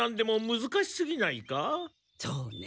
そうね。